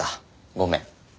ごめん。